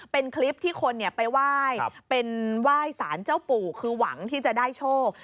เป็นคลิปที่คนไปไหว้เป็นไหว้สารเจ้าปู่คือหวังที่จะได้โชค